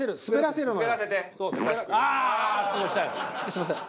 すみません。